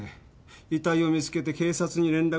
遺体を見つけて警察に連絡した